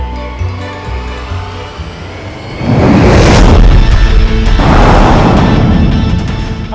ketika kebagikan licik dalam wq ou